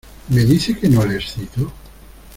¿ me dice que no le excito?